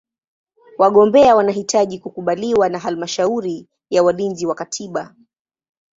Wagombea wanahitaji kukubaliwa na Halmashauri ya Walinzi wa Katiba.